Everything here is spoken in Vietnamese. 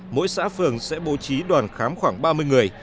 mỗi xã phường sẽ bố trí đoàn khám khoảng ba mươi người